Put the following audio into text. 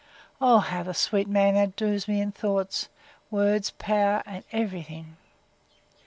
—O how the sweet man outdoes me, in thoughts, words, power, and every thing!